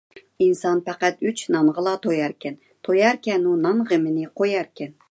ئىنسان پەقەت ئۈچ نانغىلا توياركەن، توياركەنۇ نان غېمىنى قوياركەن ...